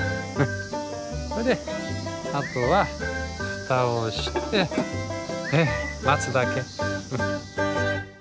それであとは蓋をして待つだけ。